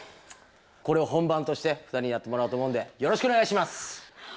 これを本番として２人にやってもらおうと思うんでよろしくおねがいします！